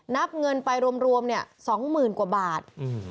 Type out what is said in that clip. นับเงินไปรวมเนี่ย๒หมื่นกว่าบาท